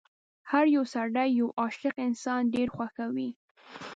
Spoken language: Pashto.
هر يو سړی یو عاشق انسان ډېر خوښوي.